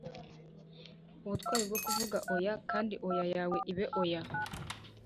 ubutwari bwo kuvuga “oya” kandi oya yawe ibe oya.